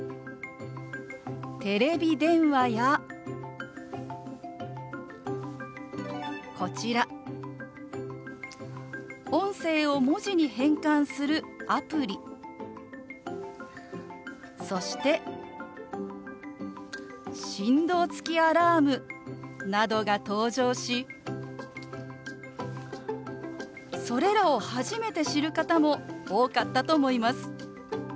テレビ電話やこちら音声を文字に変換するアプリそして振動付きアラームなどが登場しそれらを初めて知る方も多かったと思います。